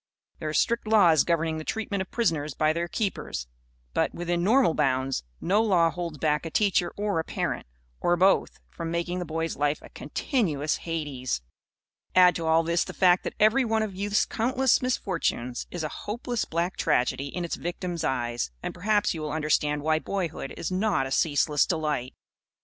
There are strict laws governing the treatment of prisoners by their keepers. But, within normal bounds, no law holds back a teacher or a parent or both from making a boy's life a continuous Hades. Add to all this the fact that every one of youth's countless misfortunes is a hopeless black tragedy in its victim's eyes, and perhaps you will understand why boyhood is not a ceaseless delight.